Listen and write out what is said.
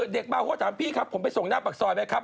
เด็กเมาเขาก็ถามพี่ครับผมไปส่งหน้าปากซอยไหมครับ